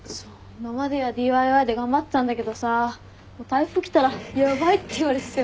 今まではＤＩＹで頑張ってたんだけどさ台風来たらヤバいって言われてて。